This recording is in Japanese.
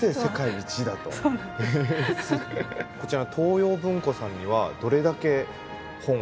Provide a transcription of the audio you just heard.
こちらの東洋文庫さんにはどれだけ本が書物が所蔵されてるんですか？